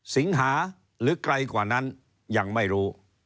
สิงหาหรือไกลกว่านั้นยังไม่รู้